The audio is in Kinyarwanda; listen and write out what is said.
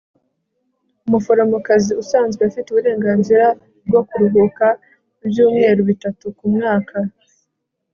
umuforomokazi usanzwe afite uburenganzira bwo kuruhuka ibyumweru bitatu kumwaka